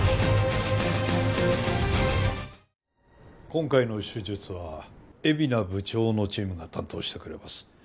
今回の手術は海老名部長のチームが担当してくれます。